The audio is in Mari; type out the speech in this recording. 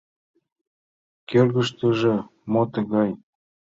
— Кӧргыштыжӧ мо тугай?